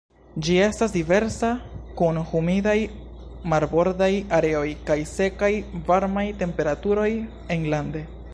Ĝi estas diversa kun humidaj marbordaj areoj kaj sekaj varmaj temperaturoj enlande.